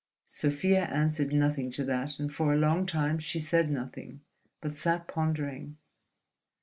Sofia answered nothing to that, for a long time she said nothing, but sat pondering....